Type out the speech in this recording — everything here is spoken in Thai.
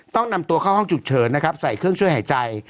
ต้องนำตัวเข้าห้องฉุกเฉินนะครับใส่เครื่องช่วยหายใจ